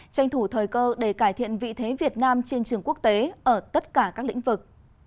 tranh thủ thời cơ để cải thiện vị thế việt nam trên trường quốc tế ở tất cả các lĩnh vực